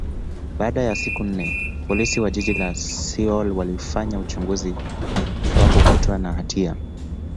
baada ya siku nne, Polisi wa jiji la Seoul walifanya uchunguzi, hakukutwa na hatia.